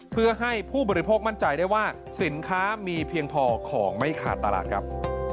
เพื่อให้ผู้บริโภคมั่นใจได้ว่าสินค้ามีเพียงพอของไม่ขาดตลาดครับ